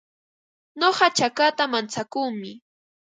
Nuqa chakata mantsakuumi.